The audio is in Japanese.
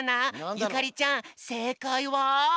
ゆかりちゃんせいかいは？